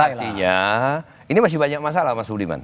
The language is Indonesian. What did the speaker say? jadi artinya ini masih banyak masalah mas budiman